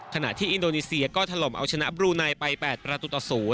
ขณะที่อินโดนีเซียก็ถล่มเอาชนะบลูไนไป๘ประตูต่อ๐